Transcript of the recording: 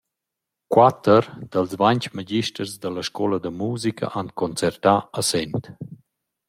Quatter dals vainch magisters da la scoula da musica han concertà a Sent.